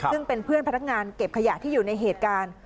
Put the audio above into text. ซึ่งเป็นเพื่อนพนักงานเก็บขยะที่อยู่ในเหตุการณ์